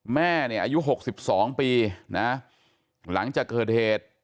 แม่เนี่ยอายุ๖๒ปีนะหลังจากเกิดเหตุ